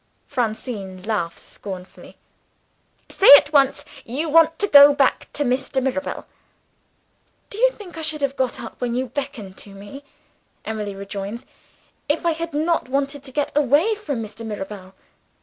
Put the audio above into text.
Francine laughs scornfully. "Say at once, you want to go back to Mr. Mirabel." "Do you think I should have got up, when you beckoned to me," Emily rejoins, "if I had not wanted to get away from Mr. Mirabel?"